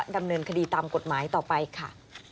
ดำเนินคดีตามกฎหมายต่อไปค่ะ